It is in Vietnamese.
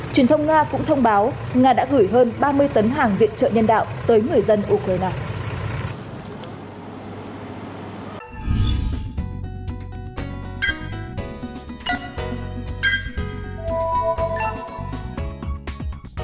truyền thông nga cũng thông báo nga đã gửi hơn ba mươi tấn hàng viện trợ nhân đạo tới người dân ukraine